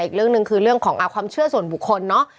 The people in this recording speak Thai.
อีกเรื่องหนึ่งคือเรื่องของความเชื่อส่วนบุคคลเนอะ